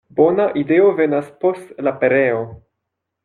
Bona ideo venas post la pereo.